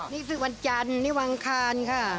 นี่คือวันจันทร์นี่วันอังคารค่ะ